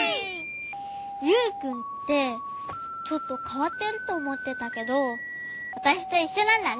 ユウくんってちょっとかわってるとおもってたけどわたしといっしょなんだね。